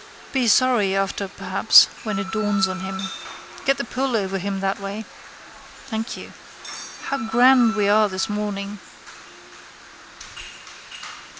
Be sorry after perhaps when it dawns on him. Get the pull over him that way. Thank you. How grand we are this morning!